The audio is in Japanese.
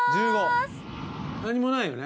何もないよね